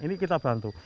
ini kita bantu